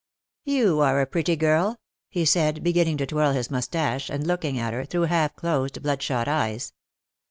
"You are a pretty girl," he said, beginning to twirl his moustache and looking at her, through half closed, blood shot eyes.